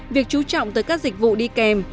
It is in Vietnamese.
việc chú trọng tới các dịch vụ đi kèm